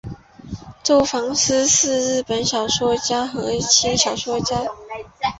周防司是日本的小说家和轻小说作家。